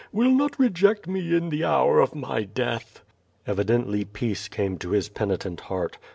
will not reject me in the hour of my death." Evidently peace came to his penitent heart.